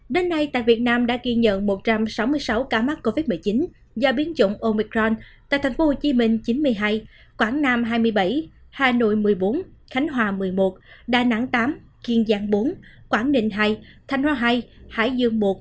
đến nay tại việt nam đã ghi nhận một trăm sáu mươi sáu ca mắc covid một mươi chín do biến chủng omicron tại tp hcm chín mươi hai quảng nam hai mươi bảy hà nội một mươi bốn khánh hòa một mươi một đà nẵng tám kiên giang bốn quảng ninh hai thanh hóa hai hải dương một